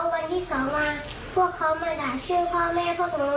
วันที่สองมาพวกเขามาด่าชื่อพ่อแม่พวกหนู